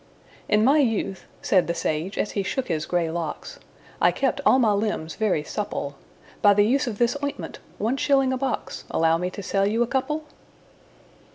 "In my youth," said the sage, as he shook his grey locks, "I kept all my limbs very supple By the use of this ointment one shilling a box Allow me to sell you a couple?"